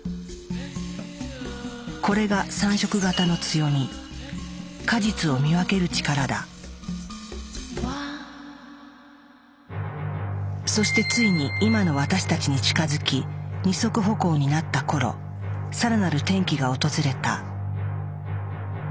これが３色型の強みそしてついに今の私たちに近づき二足歩行になった頃更なる転機が訪れた。